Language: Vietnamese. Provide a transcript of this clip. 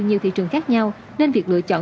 nhiều thị trường khác nhau nên việc lựa chọn